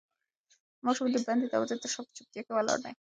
ماشوم د بندې دروازې تر شا په چوپتیا کې ولاړ دی.